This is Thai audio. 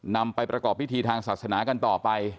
นำไปประกอบพิธีทางศาสนากันต่อไป